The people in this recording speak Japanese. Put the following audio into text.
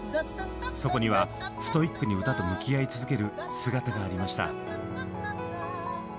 そこにはストイックに歌と向き合い続ける姿がありました。